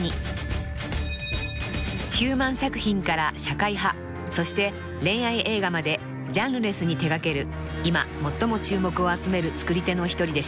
［ヒューマン作品から社会派そして恋愛映画までジャンルレスに手掛ける今最も注目を集める作り手の一人です］